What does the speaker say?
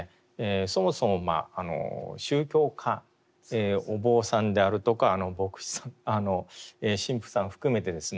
そもそも宗教家お坊さんであるとか牧師さん神父さん含めてですね